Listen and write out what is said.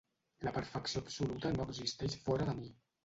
La perfecció absoluta no existeix fora de mi.